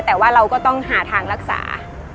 แต่ว่าเราก็ต้องหาทางรักษา